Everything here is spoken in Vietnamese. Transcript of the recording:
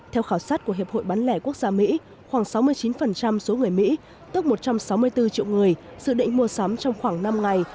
theo khảo sát của hiệp hội bán lẻ quốc gia mỹ khoảng sáu mươi chín số người mỹ tức một trăm sáu mươi bốn triệu người dự định mua sắm trong khoảng năm ngày